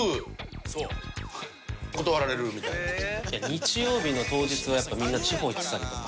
日曜日の当日はやっぱみんな地方行ってたりとか。